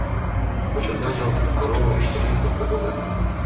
Учурда жол куруу иштери токтотулган.